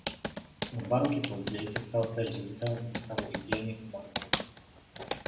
O dva roky později se stal též ředitelem Ústavu hygieny v Marburgu.